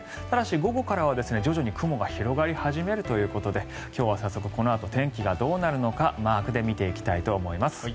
ただし午後からは徐々に雲が広がり始めるということで今日は早速このあと天気がどうなるのかマークで見ていきたいと思います。